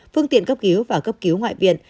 phương tiện cấp cứu và cấp cứu ngoại viện